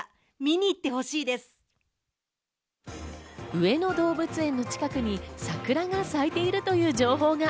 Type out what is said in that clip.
上野動物園の近くに桜が咲いているという情報が！